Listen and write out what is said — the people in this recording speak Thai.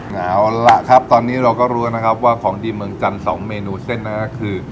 เอาล่ะครับตอนนี้เราก็รู้นะครับว่าของดีเมืองจันทร์๒เมนูเส้นนั้นก็คือ